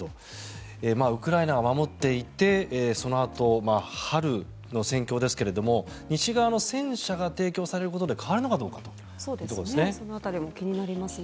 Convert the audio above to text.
ウクライナは守っていてそのあと春の戦況ですが西側の戦車が提供されることで変わるのかどうかというところですね。